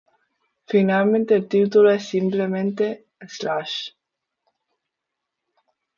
Finalmente el título es simplemente "Slash".